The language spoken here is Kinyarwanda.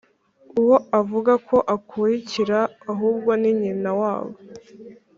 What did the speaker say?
uwo avuga ko akurikira ahubwo ni nyina wabo!